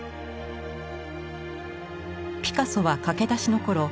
ピカソは駆け出しのころ